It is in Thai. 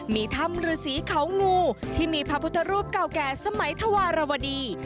มีถ้ำฤษีเขางูที่มีพระพุทธรูปเก่าแก่สมัยธวารวดี